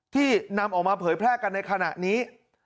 ที่นำออกมาเผยแพร่กันในขณะนี้